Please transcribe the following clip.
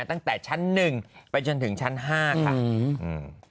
ตั้งแต่ชั้นหนึ่งไปจนถึงชั้นห้าค่ะอืม